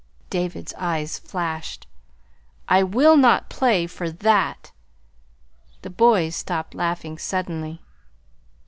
David's eyes flashed. "I will not play for that." The boys stopped laughing suddenly.